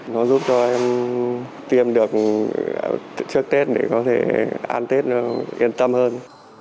nó giúp cho em tiêm được trước tết để có thể an tết yên tâm hơn